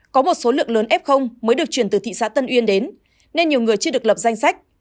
có một số lượng lớn f mới được chuyển từ thị xã tân uyên đến nên nhiều người chưa được lập danh sách